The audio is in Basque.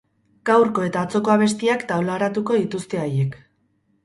Gaurko eta atzoko abestiak taularatuko dituzte haiek.